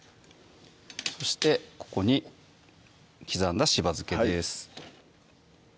そしてここに刻んだしば漬けです